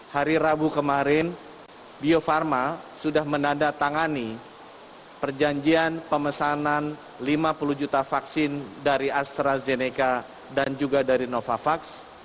hari rabu kemarin bio farma sudah menandatangani perjanjian pemesanan lima puluh juta vaksin dari astrazeneca dan juga dari novavax